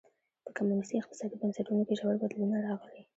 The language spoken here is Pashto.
په کمونېستي اقتصادي بنسټونو کې ژور بدلونونه راغلي.